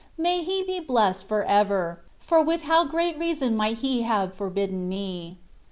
May He be blessed for ever, for with how great reason might He have forbidden me.